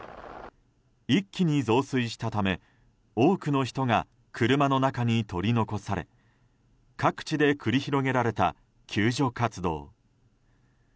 一気に増水したため多くの人が車の中に取り残され各地で繰り広げられた救助活動。